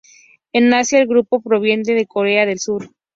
En Asia el grupo proveniente de Corea del Sur.